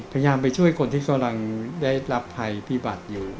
พยายามไปช่วยคนที่บรรยาภัยพิบัติอยู่